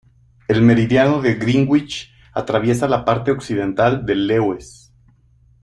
El meridiano de Greenwich atraviesa la parte occidental de Lewes.